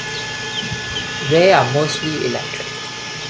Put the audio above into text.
They are mostly electric.